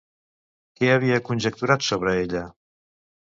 Què havia conjecturat sobre ella?